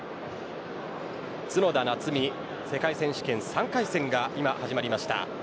角田夏実世界選手権３回戦が今始まりました。